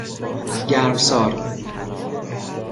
گرمسار